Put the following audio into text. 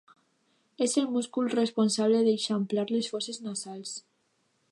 És el múscul responsable d'eixamplar les fosses nasals.